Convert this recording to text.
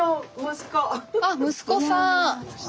あっ息子さん。